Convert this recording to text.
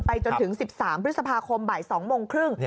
จนถึง๑๓พฤษภาคมบ่าย๒โมงครึ่ง